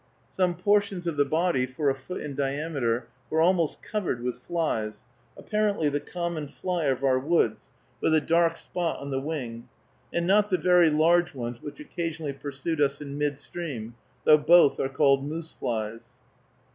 Some portions of the body, for a foot in diameter, were almost covered with flies, apparently the common fly of our woods, with a dark spot on the wing, and not the very large ones which occasionally pursued us in midstream, though both are called moose flies.